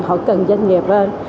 họ cần doanh nghiệp hơn